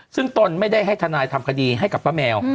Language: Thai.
ซึ่งตนไม่ได้ให้ทนายทำคดีให้กับป้าแมว